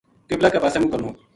قبلہ کے پاسے منہ کرنو۔